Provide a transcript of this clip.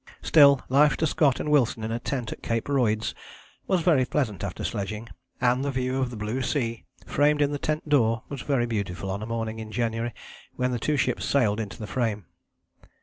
Still, life to Scott and Wilson in a tent at Cape Royds was very pleasant after sledging, and the view of the blue sea framed in the tent door was very beautiful on a morning in January when two ships sailed into the frame.